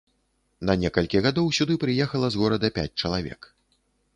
На некалькі гадоў сюды прыехала з горада пяць чалавек.